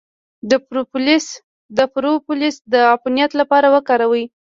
د پروپولیس د عفونت لپاره وکاروئ